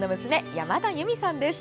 山田由美さんです。